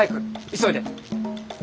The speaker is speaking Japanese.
急いで！